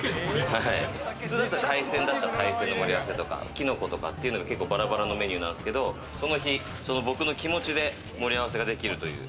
普通だと海鮮だったら、海鮮の盛り合わせとかキノコとかというのがバラバラのメニューなんですけれども、その日、僕の気持ちで盛り合わせができるという。